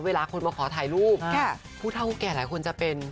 เวลาคนมาขอถ่ายรูปผู้เท่าแก่หลายคนจะเป็น